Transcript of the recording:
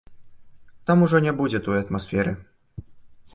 Там ужо не будзе той атмасферы.